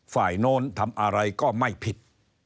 โน้นทำอะไรก็ไม่ผิด